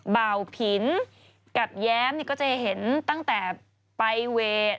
เบาผินกับแย้มก็จะเห็นตั้งแต่ไปเวท